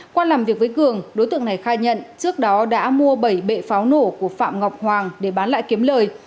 qua làm việc với cường đối tượng này khai nhận trước đó đã mua bảy bệ pháo nổ của phạm ngọc hoàng để bán lại kiếm lời